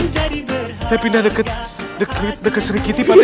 saya pindah deket deket deket serikiti pak de